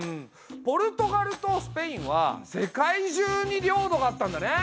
ポルトガルとスペインは世界中に領土があったんだね。